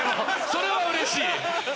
それはうれしい。